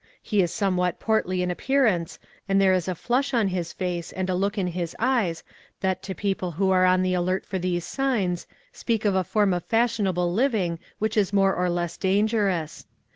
He is somewhat portly in appearance and ' there is a flush on his face, and a look in his eyes, that to people who are on the alert for these signs, speak of a form of fashionable living, which is more or less dangerous.